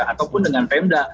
ataupun dengan pemda